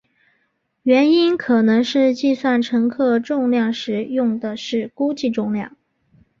原因可能是计算乘客重量时用的是估计重量。